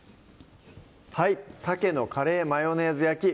はい「鮭のカレーマヨネーズ焼き」